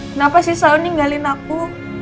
kenapa sih selalu ninggalin aku